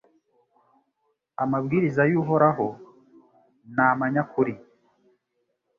Amabwiriza y’Uhoraho ni amanyakuri